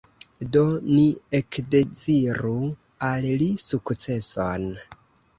Do ni ekdeziru al li sukceson".